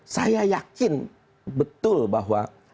saya yakin betul bahwa